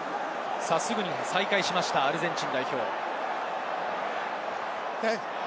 すぐに再開しましたアルゼンチン代表。